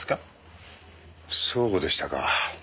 そうでしたか。